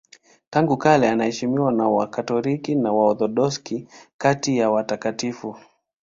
Tangu kale anaheshimiwa na Wakatoliki na Waorthodoksi kati ya watakatifu.